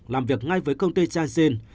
làm việc ngay với công ty changxin